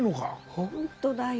本当だよ。